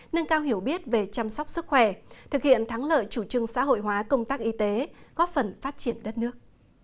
nâng cao hiểu biết về chăm sóc sức khỏe thực hiện thắng lợi chủ trưng xã hội hóa công tác y tế góp phần phát triển đất nước